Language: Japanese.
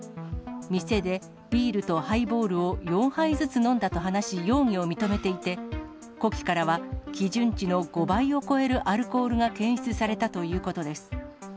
店でビールとハイボールを４杯ずつ飲んだと話し、容疑を認めていて、呼気からは基準値の５倍を超えるアルコールが検出されたということです。